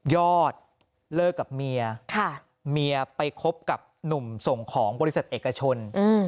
ยอดเลิกกับเมียเมียไปคบกับหนุ่มส่งของบริษัทเอกชน